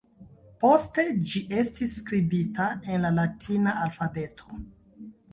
Poste ĝi estis skribita en la latina alfabeto.